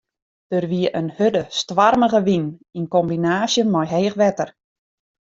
Der wie in hurde, stoarmige wyn yn kombinaasje mei heech wetter.